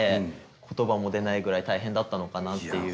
言葉も出ないぐらい大変だったのかなっていう。